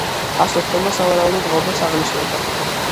ასოს ფორმა სავარაუდოდ ღობეს აღნიშნავდა.